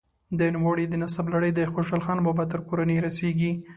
د نوموړي د نسب لړۍ د خوشحال خان بابا تر کورنۍ رسیږي.